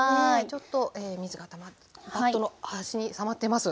ちょっと水がたまってバットの端にたまってます。